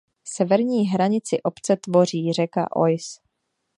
Severní hranici obce tvoří řeka Oise.